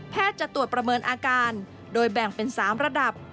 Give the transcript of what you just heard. จะตรวจประเมินอาการโดยแบ่งเป็น๓ระดับ